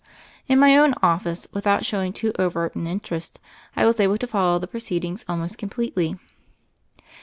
In my own office, with out showing too overt an interest, I was able to follow the proceedings almost completely.